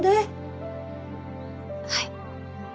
はい。